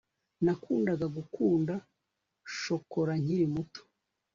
nakundaga gukunda shokora nkiri muto